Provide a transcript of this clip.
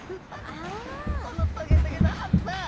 このトゲトゲの葉っぱ。